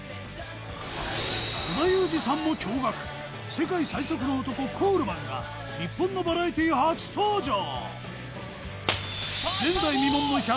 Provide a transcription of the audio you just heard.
織田裕二さんも驚がく世界最速の男コールマンが日本のバラエティ初登場前代未聞の１００ｍ